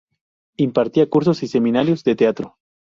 Impartía cursos y seminarios de teatro.